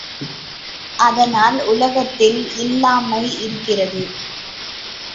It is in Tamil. அதனால் உலகத்தில் இல்லாமை இருக்கிறது.